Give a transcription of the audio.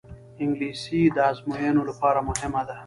انګلیسي د ازموینو لپاره مهمه ده